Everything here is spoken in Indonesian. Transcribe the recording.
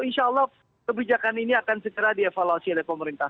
insya allah kebijakan ini akan segera dievaluasi oleh pemerintah